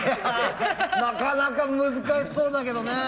なかなか難しそうだけどね。